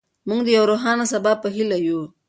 موږ د یو روښانه سبا په هیله یو.